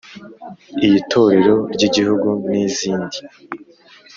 iy’itorero ry’igihugu n’izindi.